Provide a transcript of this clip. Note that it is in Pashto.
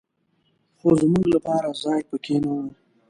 خو زمونږ لپاره ځای په کې نه و.